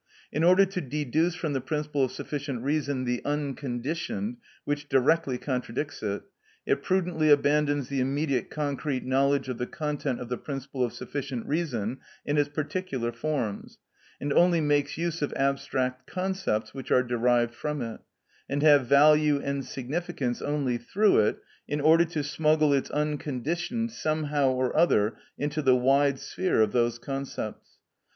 In order to deduce from the principle of sufficient reason the unconditioned, which directly contradicts it, it prudently abandons the immediate concrete knowledge of the content of the principle of sufficient reason in its particular forms, and only makes use of abstract concepts which are derived from it, and have value and significance only through it, in order to smuggle its unconditioned somehow or other into the wide sphere of those concepts.